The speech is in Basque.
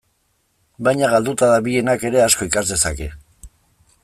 Baina galduta dabilenak ere asko ikas dezake.